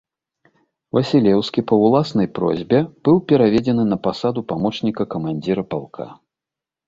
Васілеўскі па ўласнай просьбе быў пераведзены на пасаду памочніка камандзіра палка.